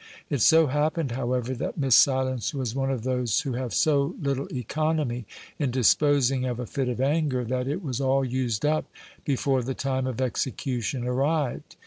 It so happened, however, that Miss Silence was one of those who have so little economy in disposing of a fit of anger, that it was all used up before the time of execution arrived.